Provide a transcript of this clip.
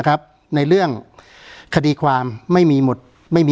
การแสดงความคิดเห็น